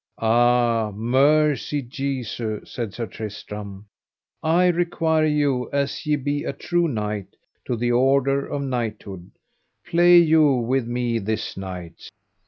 Ah, mercy Jesu, said Sir Tristram, I require you as ye be a true knight to the order of knighthood, play you with me this night.